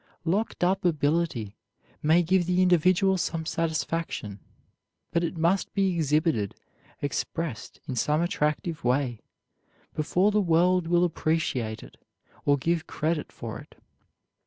Locked up ability may give the individual some satisfaction, but it must be exhibited, expressed in some attractive way, before the world will appreciate it or give credit for it.